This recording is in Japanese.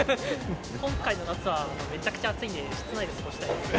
今回の夏はめちゃくちゃ暑いんで、室内で過ごしたいです。